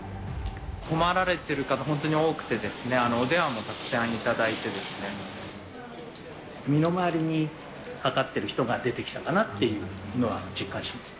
困られてる方、本当に多くて、身の回りにかかってる人が出てきたかなっていうのは実感します。